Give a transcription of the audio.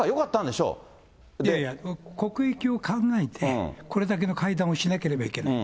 いやいや、国益を考えて、これだけの会談をしなければいけない。